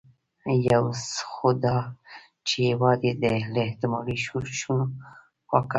یو خو دا چې هېواد یې له احتمالي ښورښونو پاکاوه.